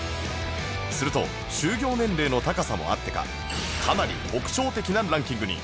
すると就業年齢の高さもあってかかなり特徴的なランキングに